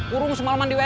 kurung semalaman di wc